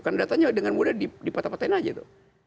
kan datanya dengan muda dipatah patahin aja itu